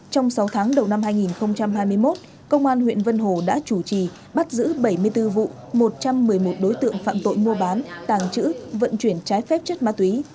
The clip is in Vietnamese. trong sáu tháng đầu năm hai nghìn hai mươi một công an huyện vân hồ đã chủ trì bắt giữ bảy mươi bốn vụ một trăm một mươi một đối tượng phạm tội mua bán tàng trữ vận chuyển trái phép chất ma túy